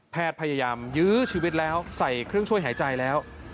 พยายามยื้อชีวิตแล้วใส่เครื่องช่วยหายใจแล้ว